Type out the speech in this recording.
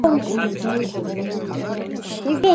ფიზიკური გეოგრაფიის ცნობილი სპეციალისტი.